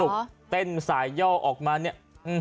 เต้นสายย่อออกมาเนี่ย